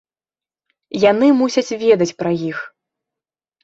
Яны мусяць ведаць пра іх.